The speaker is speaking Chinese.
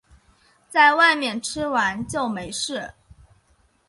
在外面吃完就没事